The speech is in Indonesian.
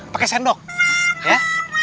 pakai sendok ya